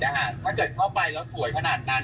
ถ้าเกิดเข้าไปแล้วสวยขนาดนั้น